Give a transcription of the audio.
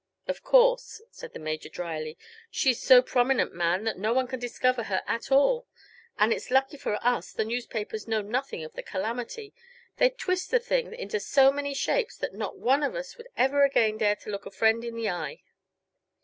"Of course," said the Major, drily; "she's so prominent, ma'am, that no one can discover her at all! And it's lucky for us the newspapers know nothing of the calamity. They'd twist the thing into so many shapes that not one of us would ever again dare to look a friend in the eye."